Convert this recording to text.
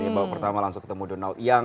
yang pertama langsung ketemu donald young